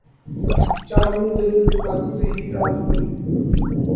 چاندنی دل دکھاتی رہی رات بھر